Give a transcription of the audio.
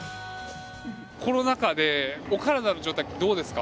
コロナ禍でお体の状態、どうですか？